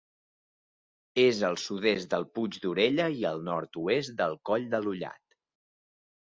És al sud-est del Puig d'Orella i al nord-oest del Coll de l'Ullat.